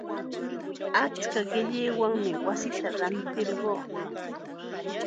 Achka qillaywanmi wasita rantirquu.